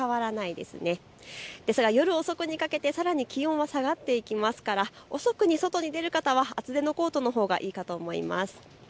ですが夜遅くにかけて気温は下がっていきますから遅くに外に出る方は厚手のコートのほうがいいかと思います。